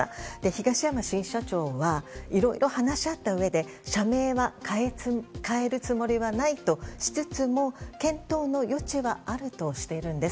東山新社長はいろいろ話し合ったうえで社名を変えるつもりはないとしつつも検討の余地はあるとしているんです。